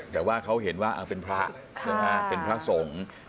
แต่ว่าเขาเห็นว่าเป็นพระเป็นพระสงฆ์